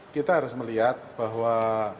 kita harus melihat bahwa